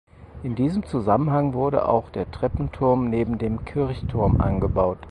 In diesem Zusammenhang wurde auch der Treppenturm neben dem Kirchturm angebaut.